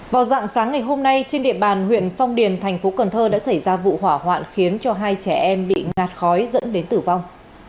vào dạng sáng ngày hôm nay trên địa bàn huyện phong điền thành phố cần thơ đã xảy ra vụ hỏa hoạn khiến cho hai trẻ em bị ngạt khói dẫn đến tử vong